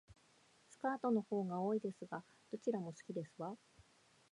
スカートの方が多いですが、どちらも好きですわ